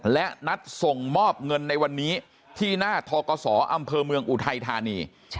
และนัดส่งมอบเงินในวันนี้ที่หน้าทกศอำเภอเมืองอุทัยธานี